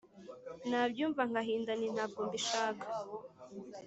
Nabyumva ngahinda Nti “Ntabwo mbishaka,